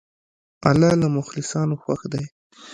الله له مخلصانو خوښ دی.